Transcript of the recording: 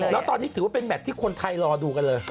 แล้วตอนนี้ถือว่าเป็นแมทที่คนไทยรอดูกันเลย